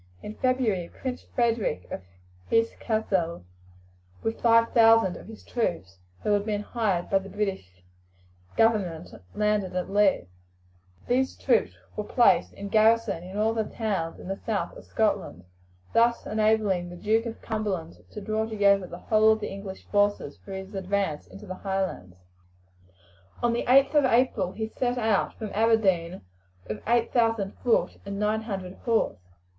In February Prince Frederick of Hesse Cassel, with five thousand of his troops, who had been hired by the British government, landed at Leith. These troops were placed in garrison in all the towns in the south of Scotland, thus enabling the Duke of Cumberland to draw together the whole of the English forces for his advance into the Highlands. On the 8th of April he set out from Aberdeen with eight thousand foot and nine hundred horse.